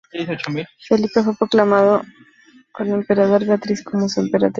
Felipe fue proclamado emperador con Beatriz como su emperatriz.